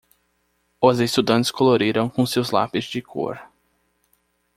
Os estudantes coloriram com seus lápis de cor.